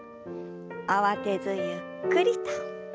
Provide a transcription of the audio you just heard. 慌てずゆっくりと。